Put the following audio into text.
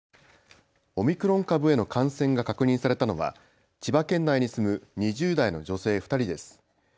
オミクロン株への感染が確認されたのは千葉県内に住む２０代の女性２人です。